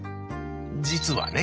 実はね